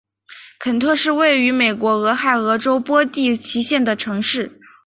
肯特是位于美国俄亥俄州波蒂奇县的城市。